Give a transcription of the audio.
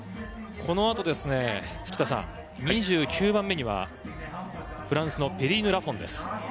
このあと２９番目にはフランスのペリーヌ・ラフォンです。